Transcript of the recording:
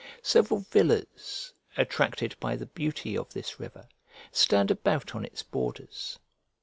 Several villas, attracted by the beauty of this river, stand about on its borders.